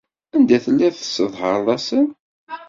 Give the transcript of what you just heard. Anda ay telliḍ tesseḍhareḍ-asen?